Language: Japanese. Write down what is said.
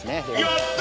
やった！